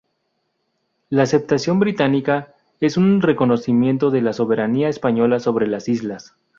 La aceptación británica es un reconocimiento de la soberanía española sobre las islas.